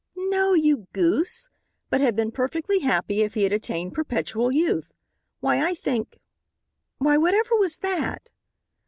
"No, you goose, but have been perfectly happy if he had attained perpetual youth. Why, I think Why, whatever was that?"